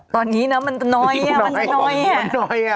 ตอนนี้เนาะมันจะน้อยอ่ะมันจะน้อยอ่ะ